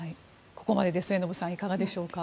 ここまでで末延さんいかがでしょうか。